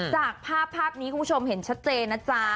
จากภาพภาพนี้คุณผู้ชมเห็นชัดเจนนะจ๊ะ